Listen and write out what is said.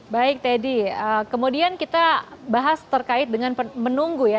baik teddy kemudian kita bahas terkait dengan menunggu ya